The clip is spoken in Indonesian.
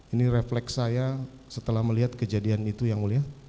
ini refleks saya setelah melihat kejadian itu yang mulia